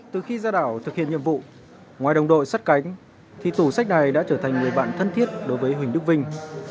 từ khi ra đảo thực hiện nhiệm vụ ngoài đồng đội sắt cánh thì tủ sách này đã trở thành người bạn thân thiết đối với huỳnh đức vinh